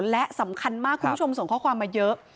และสำคัญมากคุณผู้ชมส่งข้อความมาเยอะ